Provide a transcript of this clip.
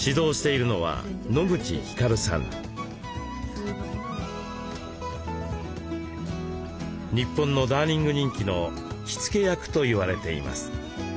日本のダーニング人気の火付け役と言われています。